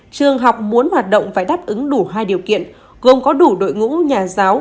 trường học muốn hoạt động phải đáp ứng đủ hai điều kiện gồm có đủ đội ngũ nhà giáo